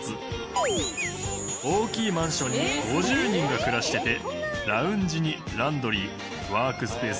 大きいマンションに５０人が暮らしていてラウンジにランドリーワークスペース